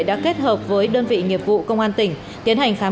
đã kết hợp với đơn vị nghiệp vụ công an tỉnh tiến hành khám